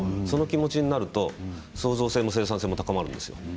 その気持ちになると創造性も生産性も高まるんです。